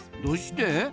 どうして？